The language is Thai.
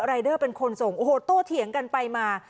รายเดอร์เป็นคนส่งโอ้โหโตเถียงกันไปมา